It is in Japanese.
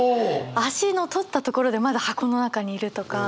足の取ったところでまだ箱の中にいるとか。